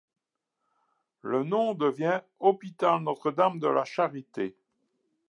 Le nom devient hôpital Notre-Dame de la Charité.